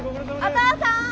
お父さん。